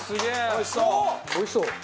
おいしそう！